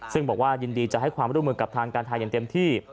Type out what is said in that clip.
ซึ่งบอกว่ายินดีจะให้ความร่วมมือกับทางการไทยอย่างเต็มที่